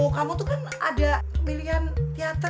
kamu tuh kan ada pilihan teater